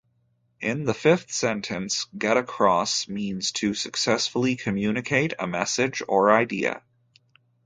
In the fifth sentence, "get across" means to successfully communicate a message or idea.